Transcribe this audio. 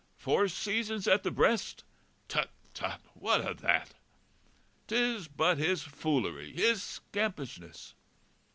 Four seasons at the breast? Tut, tut! what o' that? 'Tis but his foolery, his scampishness!